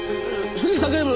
杉下警部？